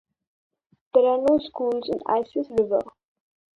There are no schools in Isis River.